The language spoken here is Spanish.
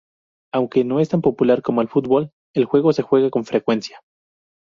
Aunque no es tan popular como el fútbol el juego se juega con frecuencia.